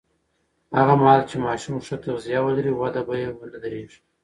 هغه مهال چې ماشوم ښه تغذیه ولري، وده به یې ونه درېږي.